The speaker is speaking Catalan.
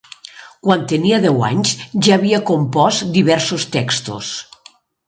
Quan tenia deu anys, ja havia compost diversos textos.